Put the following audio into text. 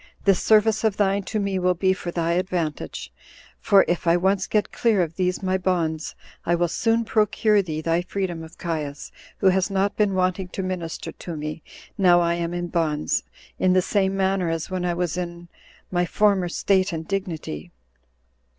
this service of thine to me will be for thy advantage; for if I once get clear of these my bonds, I will soon procure thee thy freedom of Caius who has not been wanting to minister to me now I am in bonds, in the same manner as when I was in my former state and dignity."